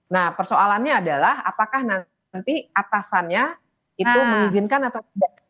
nah persoalannya adalah apakah nanti atasannya itu mengizinkan atau tidak